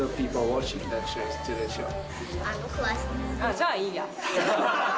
じゃあいいや。